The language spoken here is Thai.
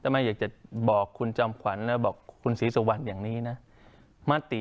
จะไม่อยากจะบอกคุณจำขวัญและบอกคุณศีริสวรรค์อย่างนี้นะ